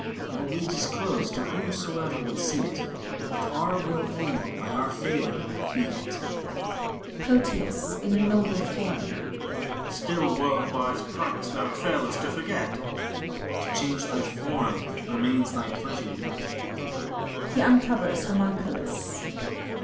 What we disclose, to whomsoever would see it, With our will only, by our favor, be it ! PROTEUS (in a noble form). Still world wise pranks thou f ailest to forget. THALES. To change thy form remains thy pleasure yet. (He uncovers Homunculus.)